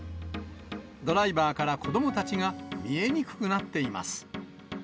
ドライバーから子どもたちが見えにくくなっています。